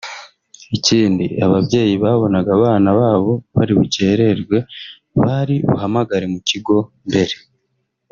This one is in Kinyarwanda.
Ikindi ababyeyi babonaga abana babo bari bukererwe bari buhamagare mu kigo mbere